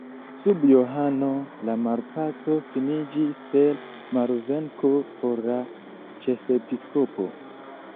Sub Johano la malpaco finiĝis per malvenko por la ĉefepiskopo.